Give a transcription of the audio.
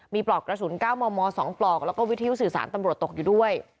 มีปลอกกระสุนเก้ามอมมอร์สองปลอกแล้วก็วิทยุสิสารตำบลดตกอยู่ด้วย